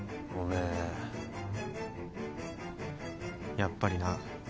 やっぱりな。